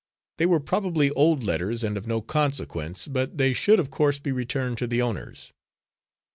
They were probably old letters and of no consequence, but they should of course be returned to the owners.